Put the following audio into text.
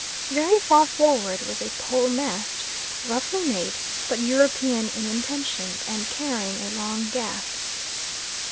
Very far forward was a pole mast, roughly made, but European in intention, and carrying a long gaff.